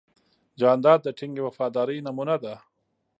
جانداد د ټینګې وفادارۍ نمونه ده.